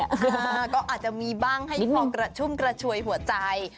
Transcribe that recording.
อ่าก็อาจจะมีบ้างให้ชุ่มกระชวยหัวใจ